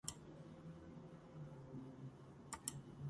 ბერი ხორნაბუჯელი დარდისგან გარდაცვლილა.